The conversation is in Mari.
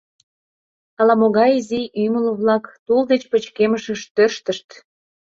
Ала-могай изи ӱмыл-влак тул деч пычкемышыш тӧрштышт.